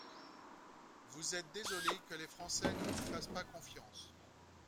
Vous être désolé que les Français ne vous fassent pas confiance.